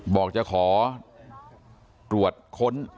บอกจะขอตรวจค้น